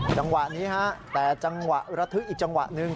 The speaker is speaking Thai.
จังหวะนี้ฮะแต่จังหวะระทึกอีกจังหวะหนึ่ง